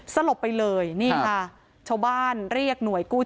สลบไปเลยนี่ค่ะชาวบ้านเรียกหน่วยกู้